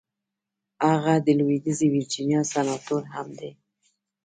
هغه د لويديځې ويرجينيا سناتور هم دی.